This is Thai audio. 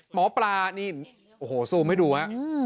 หมอปลานี่โอ้โหซูมให้ดูฮะ